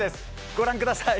ご覧ください。